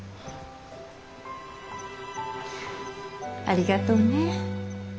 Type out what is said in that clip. ありがとうね。